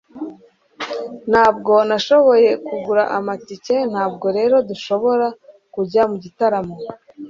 ntabwo nashoboye kugura amatike, ntabwo rero dushobora kujya mu gitaramo